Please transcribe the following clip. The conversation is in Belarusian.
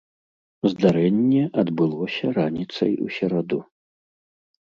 Здарэнне адбылося раніцай у сераду.